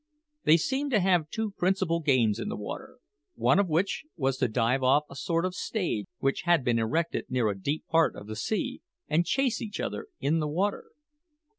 They seemed to have two principal games in the water, one of which was to dive off a sort of stage which had been erected near a deep part of the sea, and chase each other in the water.